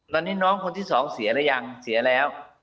ตอนนี้น้องคนที่สองเสียหรือยังเสียแล้ว